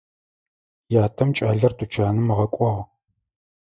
Ятэм кӏалэр тучанэм ыгъэкӏуагъ.